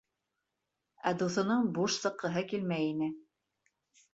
Ә дуҫының буш сыҡҡыһы килмәй ине.